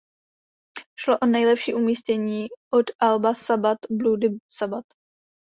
Šlo o nejlepší umístění od alba "Sabbath Bloody Sabbath".